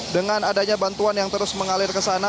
dengan adanya bantuan yang terus mengalir kesana